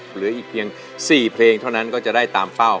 เหลืออีกเพียง๔เพลงเท่านั้นก็จะได้ตามเฝ้า